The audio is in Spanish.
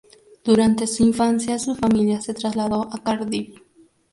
Durante su infancia su familia se trasladó a Cardiff.